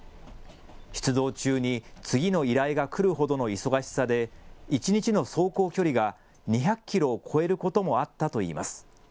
出動中に次の依頼が来るほどの忙しさで一日の走行距離が２００キロを超えることもあったといいます。